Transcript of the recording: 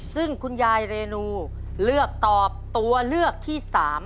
ซึ่งคุณยายเรนูเลือกตอบตัวเลือกที่๓